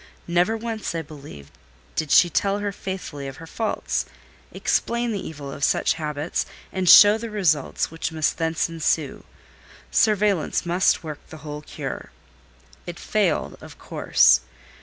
Never once, I believe, did she tell her faithfully of her faults, explain the evil of such habits, and show the results which must thence ensue. Surveillance must work the whole cure. It failed of course.